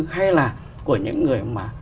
hay là của những người mà